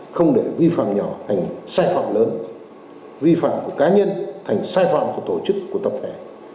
không để vi phạm nhỏ thành sai phạm lớn vi phạm của cá nhân thành sai phạm của tổ chức của tập thể